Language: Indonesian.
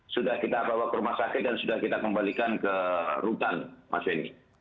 sudah kita bawa ke rumah sakit dan sudah kita kembalikan ke rutan mas benny